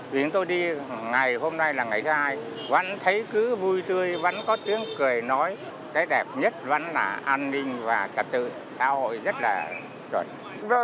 vì chúng tôi đi ngày hôm nay là ngày thứ hai vẫn thấy cứ vui tươi vẫn có tiếng cười nói cái đẹp nhất vẫn là an ninh và trật tự xã hội rất là chuẩn